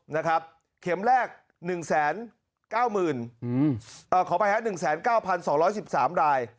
นะครับเข็มแรกหนึ่งแสนเก้าหมื่นอืมเอ่อขอไปฮะหนึ่งแสนเก้าพันสองร้อยสิบสามราย